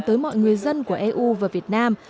tới mọi người dân của eu và việt nam